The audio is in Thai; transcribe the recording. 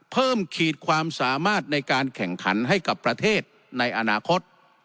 ขีดความสามารถในการแข่งขันให้กับประเทศในอนาคต